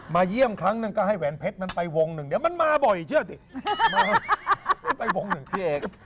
มาเยี่ยมครั้งหนึ่งก็ให้แหวนเพชรมันไปวงหนึ่งเดี๋ยวมันมาบ่อยเชื่อสิ